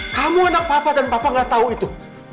kamu anak papa dan papa gak tahu itu